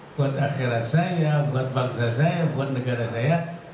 buat akhirat saya buat bangsa saya buat negara saya